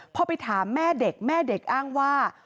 พอไปถามแม่เด็กแม่เด็กอ้างว่า